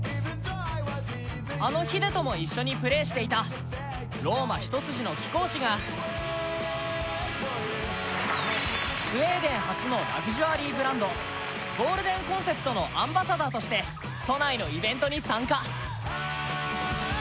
あのヒデとも一緒にプレーしていたローマ一筋の貴公子がスウェーデン発のラグジュアリーブランド、ゴールデンコンセプトのアンバサダーとして都内のイベントに参加。